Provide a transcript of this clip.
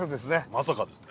まさかですね。